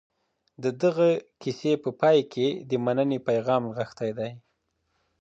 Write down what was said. د دغي کیسې په پای کي د مننې پیغام نغښتی دی.